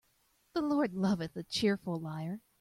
The Lord loveth a cheerful liar.